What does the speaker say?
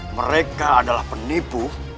mereka adalah penipu